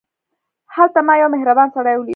هلته ما یو مهربان سړی ولید.